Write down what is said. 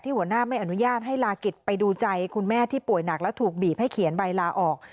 หัวหน้าไม่อนุญาตให้ลากิจไปดูใจคุณแม่ที่ป่วยหนักและถูกบีบให้เขียนใบลาออก